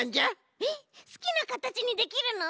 えっすきなかたちにできるの？